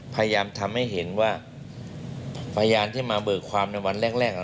พยานที่มาเบิกความในวันแรก